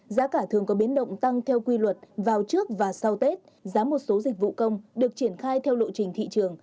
giá cả thường có biến động tăng theo quy luật vào trước và sau tết giá một số dịch vụ công được triển khai theo lộ trình thị trường